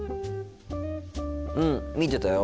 うん見てたよ。